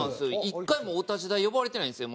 １回もお立ち台呼ばれてないんですよ